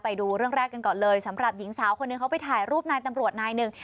ไปดูเรื่องแรกกันก่อนเลยสำหรับหญิงสาวคนหนึ่งเขาไปถ่ายรูปนายตำรวจนายหนึ่ง